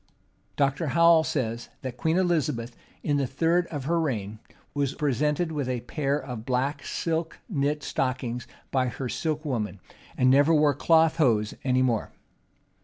Dr. Howell says,[*] that Queen Elizabeth, in the third of her reign, was presented with a pair of black silk knit stockings by her silk woman, and never wore cloth hose any more.